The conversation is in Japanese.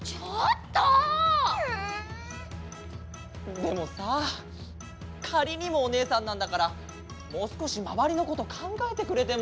でもさかりにもおねえさんなんだからもうすこしまわりのことかんがえてくれても。